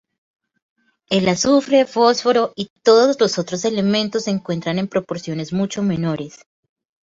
El azufre, fósforo, y todos los otros elementos se encuentran en proporciones mucho menores.